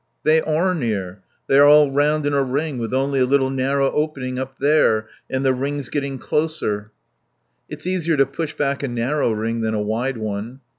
"They are near. They're all round in a ring with only a little narrow opening up there. And the ring's getting closer." "It's easier to push back a narrow ring than a wide one."